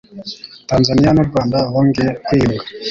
Tanzania n'u Rwanda bongeye kwiyunga